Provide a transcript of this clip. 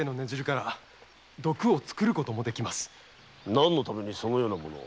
何のためにそのようなものを。